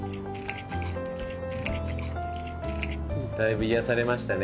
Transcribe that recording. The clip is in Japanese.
だいぶ癒やされましたね。